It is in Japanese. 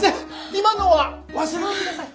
今のは忘れて下さい。